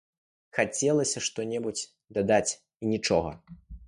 Хацелася што-небудзь дадаць і нічога.